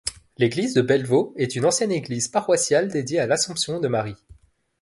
L'église de Bellevaux est une ancienne église paroissiale dédiée à l'Assomption de Marie.